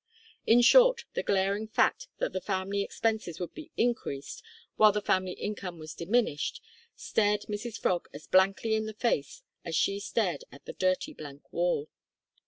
In short, the glaring fact that the family expenses would be increased while the family income was diminished, stared Mrs Frog as blankly in the face as she stared at the dirty blank wall.